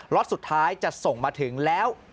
สุดท้ายจะส่งมาถึงแล้ว